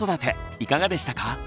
いかがでしたか？